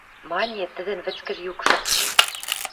Мане, тӹдӹн вӹцкӹж юкшы.